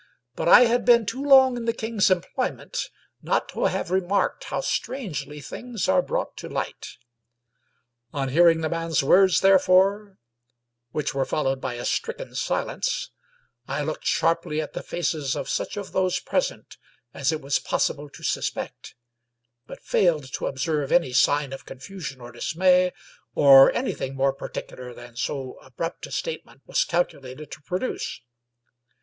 But I had been too long in the king's employment not to have remarked how strangely things are brought to light. On hearing the man's words there fore — ^which were followed by a stricken silence — I looked sharply at the faces of such of those present as it was possi ble to suspect, but failed to observe any sign of confusion or dismay, or anything more particular than so abrupt a statement was calculated to produce.